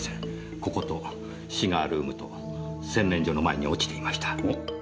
こことシガールームと洗面所の前に落ちていました。